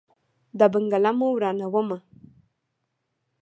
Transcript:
دا بنګله مو ورانومه.